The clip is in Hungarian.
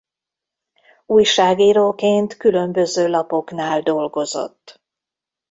Újságíróként különböző lapoknál dolgozott.